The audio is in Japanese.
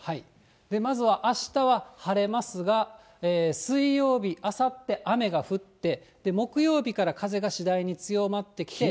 まずはあしたは晴れますが、水曜日、あさって雨が降って、木曜日から風がしだいに強まってきて。